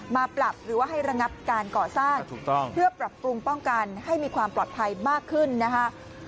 มาปรับหรือว่าให้ระงับการก่อสร้างถูกต้องเพื่อปรับปรุงป้องกันให้มีความปลอดภัยมากขึ้นนะคะ